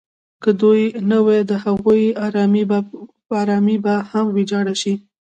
که دوی نه وي د هغوی ارامي به هم ویجاړه شي.